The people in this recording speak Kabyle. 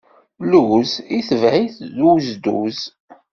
Lluz itebaɛ-it uzduz.